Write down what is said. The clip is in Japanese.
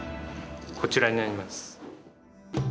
こちらになります。